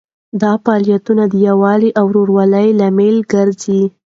دا فعالیتونه د یووالي او ورورولۍ لامل ګرځي.